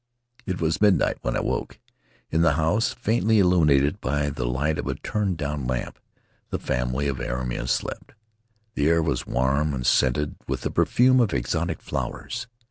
It was midnight when I awoke. In the house, faintly illuminated by the light of a turned down lamp, the family of Airima slept. The air was warm and scented with the perfume of exotic flowers.